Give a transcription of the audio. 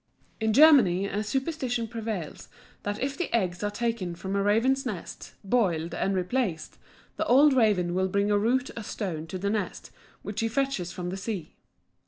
= In Germany a superstition prevails that if the eggs are taken from a raven's nest, boiled, and replaced, the old raven will bring a root or stone to the nest, which he fetches from the sea.